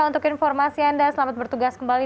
untuk informasi anda selamat bertugas kembali